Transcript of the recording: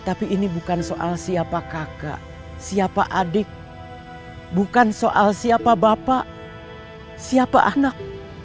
tapi ini bukan soal siapa kakak siapa adik bukan soal siapa bapak siapa anak